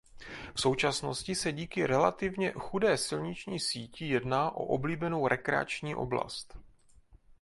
V současnosti se díky relativně chudé silniční síti jedná o oblíbenou rekreační oblast.